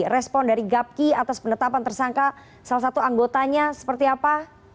respon dari gapki atas penetapan tersangka salah satu anggotanya seperti apa